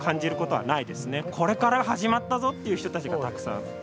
これから始まったぞっていう人たちがたくさん。